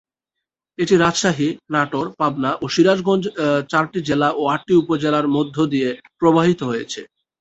এটি রাজশাহী, নাটোর, পাবনা ও সিরাজগঞ্জ চারটি জেলা ও আটটি উপজেলার মধ্যদিয়ে প্রবাহিত হয়েছে।